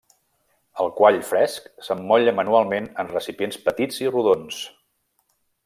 El quall fresc s'emmotlla manualment en recipients petits i rodons.